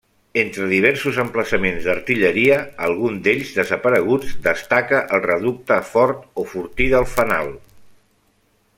Entre diversos emplaçaments d'artilleria, alguns d'ells desapareguts, destaca el Reducte, Fort o Fortí del Fanal.